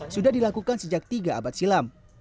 sudah dilakukan sejak tiga abad silam